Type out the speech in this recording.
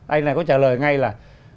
anh này có trả lời ngay là